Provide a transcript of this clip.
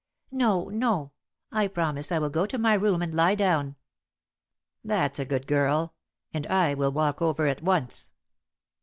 "No, no; I promise I will go to my room and lie down." "That's a good girl; and I will walk over at once."